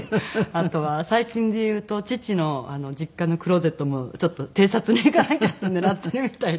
あとは最近でいうと父の実家のクローゼットもちょっと偵察に行かなきゃって狙ってるみたいで。